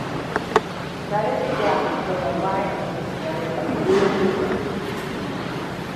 Credits adapted from the liner notes of "Blue Weekend".